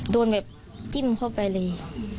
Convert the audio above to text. โดนแบบจิ้มเข้าไปเลย